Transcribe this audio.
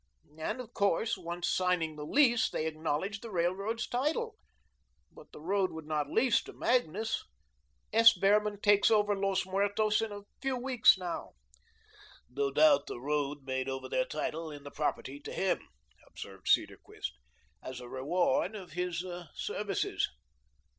And, of course, once signing the lease, they acknowledged the Railroad's title. But the road would not lease to Magnus. S. Behrman takes over Los Muertos in a few weeks now." "No doubt, the road made over their title in the property to him," observed Cedarquist, "as a reward of his services."